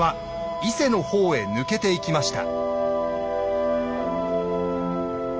伊勢の方へ抜けていきました。